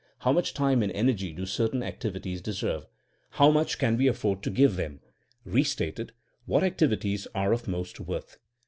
How much time and energy do cer tain activities deserve? How much can we af ford to give them? Bestated: what activities are of most worth?